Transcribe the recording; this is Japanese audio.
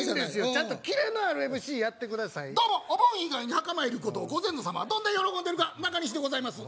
ちゃんとキレのあるＭＣやってくださいどうもお盆以外に墓参り行くことをご先祖様はどんだけ喜んでるか中西でございます